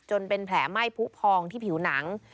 เป็นแผลไหม้ผู้พองที่ผิวหนัง